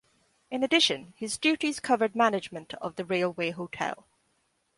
In addition, his duties covered management of the Railway Hotel.